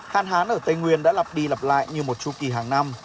hạn hán ở tây nguyên đã lặp đi lặp lại như một chu kỳ hàng năm